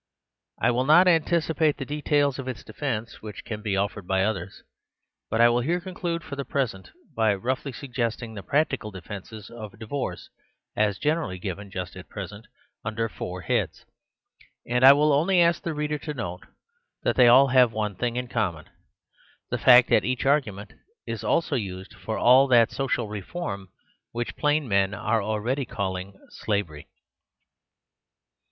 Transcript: I will not anticipate the details of its defence, which can be offered by others, but I will here conclude for the present by roughly sug gesting the practical defences of divorce, as generally given just at present, under four heads. And I will only ask the reader to note that they all have one thing in common ; the fact that each argument is also used for all that social reform which plain men are already calling slavery.